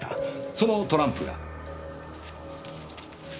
そのトランプが。